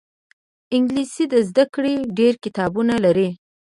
انګلیسي د زده کړې ډېر کتابونه لري